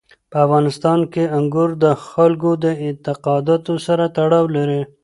په افغانستان کې انګور د خلکو د اعتقاداتو سره تړاو لري.